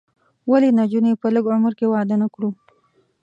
ولې نجونې په لږ عمر کې واده نه کړو؟